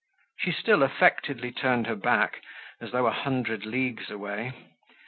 She still affectedly turned her back, as though a hundred leagues away.